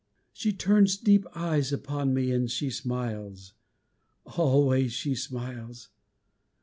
She turns deep eyes upon me, and she smiles, Always she smiles!